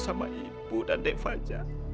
sama ibu dan dek fajar